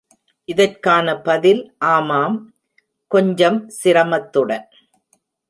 இதற்கான பதில் ஆமாம், கொஞ்சம் சிரமத்துடன்.